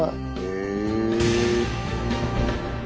へえ！